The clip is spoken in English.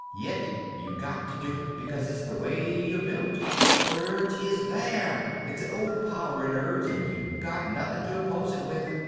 Yet you got to do it because it's the way you're built. The urge is there, it's an overpowering urge, and you got nothing to oppose it with.